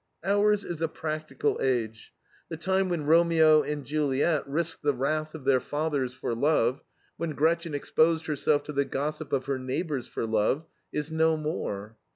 Ours is a practical age. The time when Romeo and Juliet risked the wrath of their fathers for love, when Gretchen exposed herself to the gossip of her neighbors for love, is no more.